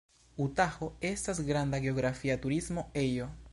Utaho estas granda geografia turismo ejo.